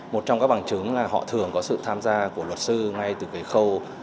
một trong các bằng chứng là họ thường có sự tham gia của luật sư ngay từ cái khâu